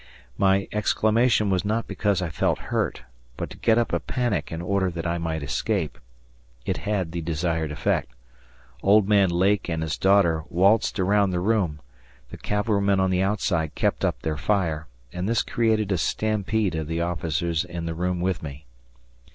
My exclamation was not because I felt hurt, but to get up a panic in order that I might escape. It had the desired effect. Old man Lake and his daughter waltzed around the room, the cavalrymen on the outside kept up their fire, and this created a stampede of the officers in the room with me.